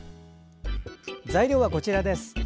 材料は、こちらです。